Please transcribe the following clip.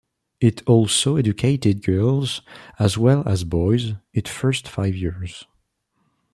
It also educated girls as well as boys its first five years.